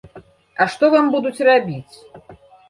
А што вам будуць рабіць?